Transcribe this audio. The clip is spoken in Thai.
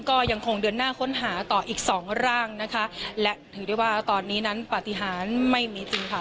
ก็ยังคงเดินหน้าค้นหาต่ออีกสองร่างนะคะและถือได้ว่าตอนนี้นั้นปฏิหารไม่มีจริงค่ะ